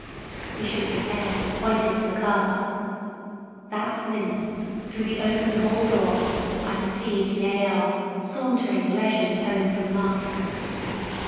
He shook his head, and pointed to the cart. That minute, through the open hall door, I perceived Jael sauntering leisurely home from market.